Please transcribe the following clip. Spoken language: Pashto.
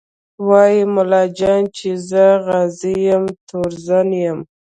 وايي ملا جان چې زه غازي یم تورزن یم